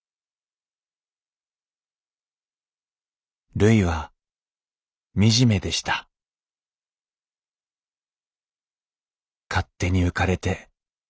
るいは惨めでした勝手に浮かれて。